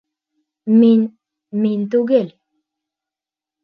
Мин... мин түгел!